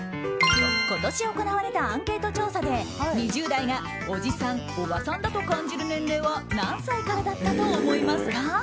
今年行われたアンケート調査で２０代がおじさん・おばさんだと感じる年齢は何歳からだったと思いますか。